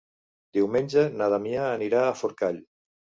Diumenge na Damià anirà a Forcall.